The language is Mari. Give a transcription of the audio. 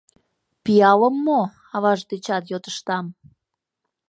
Пиалым мо? — аваж дечат йодыштам.